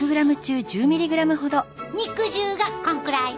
肉汁がこんくらい。